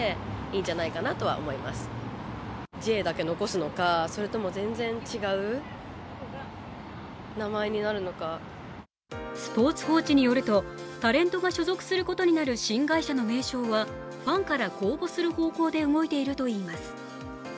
しかし、社名変更についての質問が相次ぐと「スポーツ報知」によると、タレントが所属することになる新会社の名称はファンからの公募する方向で動いているといいます。